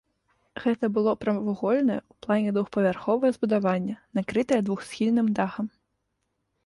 Гэта было прамавугольнае ў плане двухпавярховае збудаванне, накрытае двухсхільным дахам.